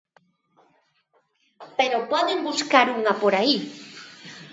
¡Pero poden buscar unha por aí!